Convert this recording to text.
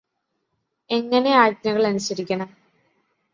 എങ്ങനെ ആജ്ഞകള് അനുസരിക്കണം